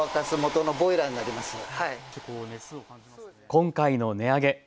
今回の値上げ。